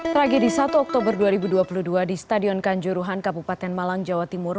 tragedi satu oktober dua ribu dua puluh dua di stadion kanjuruhan kabupaten malang jawa timur